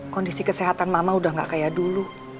kondisi kesehatan mama udah gak kayak dulu